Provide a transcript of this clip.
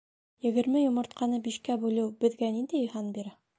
— Егерме йомортҡаны бишкә бүлеү беҙгә ниндәй һан бирә?